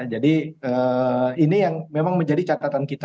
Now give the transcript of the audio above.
jadi ini yang memang menjadi catatan kita